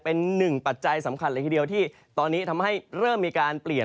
เป็นหนึ่งปัจจัยสำคัญเลยทีเดียวที่ตอนนี้ทำให้เริ่มมีการเปลี่ยน